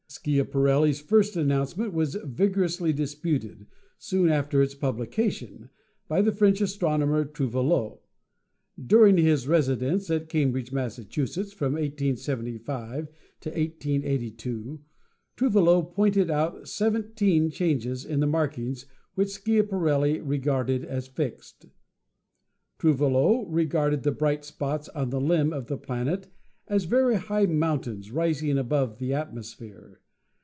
Schiapa relli's first announcement was vigorously disputed, soon after its publication, by the French astronomer, Trouvelot. During his residence at Cambridge, Mass., from 1875 to 1882, Trouvelot pointed out seventeen changes in the markings which Schiaparelli regarded as fixed. Trouve lot regarded the bright spots on the limb of the planet as very high mountains, rising above the atmosphere.